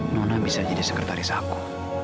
nona bisa jadi sekretaris aku